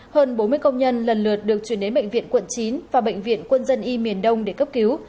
hơn bốn mươi công nhân lần lượt được chuyển đến bệnh viện quận chín và bệnh viện quân dân y miền đông để cấp cứu